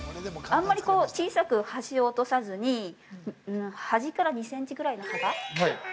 ◆あんまりこう小さく端を落とさずに端から２センチぐらいの幅。